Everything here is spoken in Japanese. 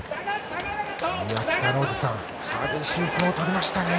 激しい相撲を取りましたね。